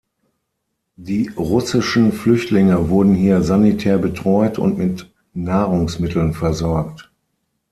Die russischen Flüchtlinge wurden hier sanitär betreut und mit Nahrungsmitteln versorgt.